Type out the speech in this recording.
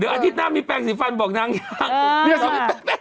เดี๋ยวอาทิตย์หน้ามีแปรงสีฟันบอกนางอย่างเออ